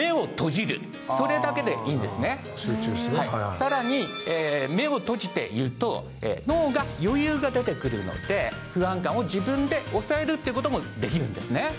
さらに目を閉じていると脳が余裕が出てくるので不安感を自分で抑えるっていう事もできるんですね。